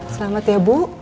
selamat ya bu